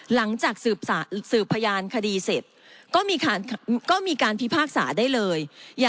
หลังจากสืบพยานคดีเสร็จก็มีการพิพากษาได้เลย